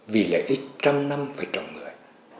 vì lợi ích trăm năm phải trồng người